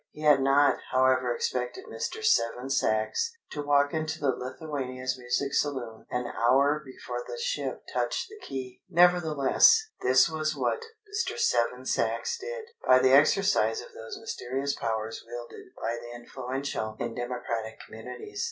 He had not, however, expected Mr. Seven Sachs to walk into the Lithuania's music saloon an hour before the ship touched the quay. Nevertheless this was what Mr. Seven Sachs did, by the exercise of those mysterious powers wielded by the influential in democratic communities.